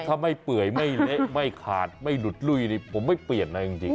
ถ้าไม่เปื่อยไม่เละไม่ขาดไม่หลุดลุ้ยนี่ผมไม่เปลี่ยนนะจริง